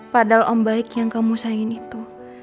padahal om baik yang kamu sayangin itu